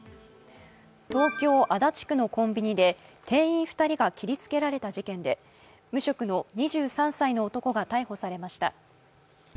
東京・足立区のコンビニで店員２人が切りつけられた事件で無職の２３歳の男が逮捕されました。